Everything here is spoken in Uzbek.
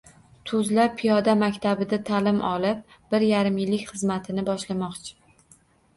Tuzla piyoda maktabida ta'lim olib, bir yarim yillik xizmatini boshlamoqchi.